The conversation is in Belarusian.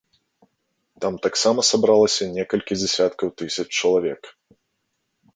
Там таксама сабралася некалькі дзясяткаў тысяч чалавек.